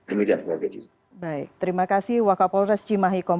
ini dan kemudian